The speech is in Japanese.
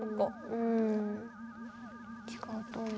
うん違うと思う。